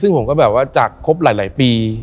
ซึ่งผมก็แบบว่าจากครบหลายปี